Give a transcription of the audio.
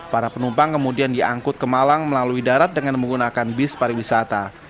para penumpang kemudian diangkut ke malang melalui darat dengan menggunakan bis pariwisata